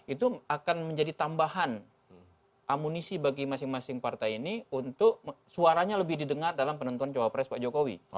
itu akan menjadi tambahan amunisi bagi masing masing partai ini untuk suaranya lebih didengar dalam penentuan cawapres pak jokowi